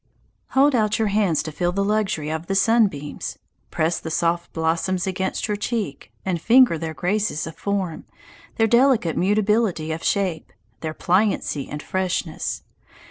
Hold out your hands to feel the luxury of the sunbeams. Press the soft blossoms against your cheek, and finger their graces of form, their delicate mutability of shape, their pliancy and freshness.